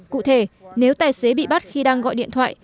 cụ thể nếu tài xế bị bắt khi đang gọi điện thoại